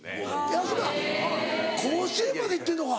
安村甲子園までいってんのか。